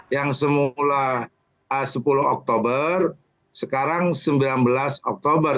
yang semula sepuluh oktober sekarang sembilan belas oktober